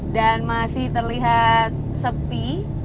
dan masih terlihat sepi